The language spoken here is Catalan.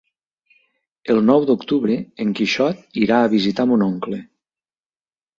El nou d'octubre en Quixot irà a visitar mon oncle.